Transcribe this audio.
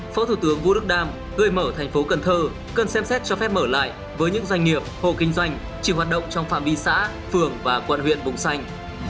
phó thủ tướng vũ đức đam gợi mở thành phố cần thơ cần xem xét cho phép mở lại với những doanh nghiệp hồ kinh doanh chỉ hoạt động trong phạm vi xã phường và quận huyện cũng xanh